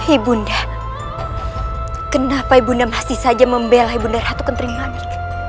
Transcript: ibunda kenapa ibunda masih saja membelah ibunda ratu ketrimanik